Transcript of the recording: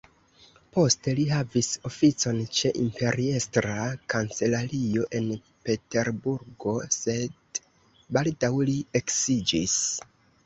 Poste li havis oficon ĉe imperiestra kancelario en Peterburgo, sed baldaŭ li eksiĝis.